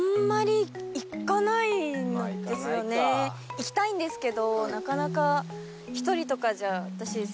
行きたいんですけどなかなか。